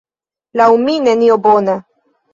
Laŭ mi, nenio bona.